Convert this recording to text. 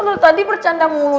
lo tadi bercanda mulu